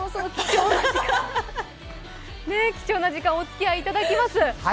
貴重な時間お付き合いいただきます。